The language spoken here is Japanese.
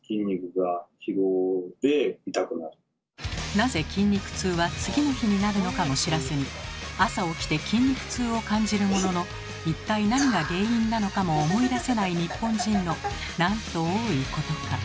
なぜ筋肉痛は次の日になるのかも知らずに朝起きて筋肉痛を感じるものの一体何が原因なのかも思い出せない日本人のなんと多いことか。